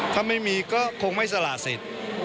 ถ้าไม่มีก็คงไม่สละสิทธิ์